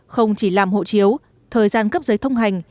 không chỉ làm hộ chiếu thời gian cấp giấy thông hành